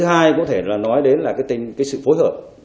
thứ hai có thể là nói đến là cái sự phối hợp